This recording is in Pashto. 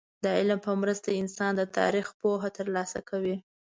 د علم په مرسته انسان د تاريخ پوهه ترلاسه کوي.